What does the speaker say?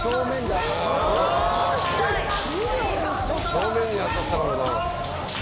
正面に当たったからな。